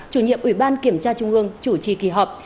chủ nhiệm ủy ban kiểm tra trung ương chủ trì kỳ họp